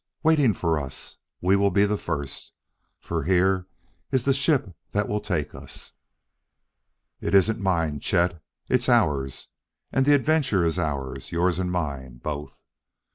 Waiting for us; we will be the first. For here is the ship that will take us. "It isn't mine, Chet; it's ours. And the adventure is ours; yours and mine, both.